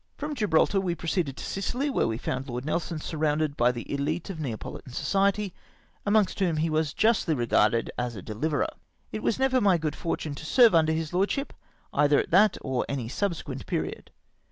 From Gibraltar we proceeded to Sicily, where we Ibmid Lord Nelson surrounded by the elite of Neapo litan society, amongst whom he was justly regarded as a dehverer. It was never my good fortune to serve under his lordship, cither at that or any subsequent period.